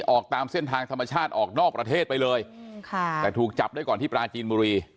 ออกตามเส้นทางธรรมชาติออกนอกประเทศไปเลยค่ะแต่ถูกจับได้ก่อนที่ปลาจีนบุรี